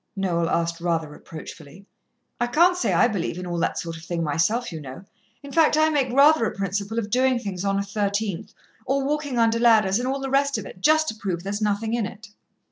Noel asked rather reproachfully. "I can't say I believe in all that sort of thing myself, you know. In fact I make rather a principle of doing things on a 13th, or walking under ladders, and all the rest of it, just to prove there's nothing in it."